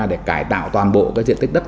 để cải tạo toàn bộ diện tích đất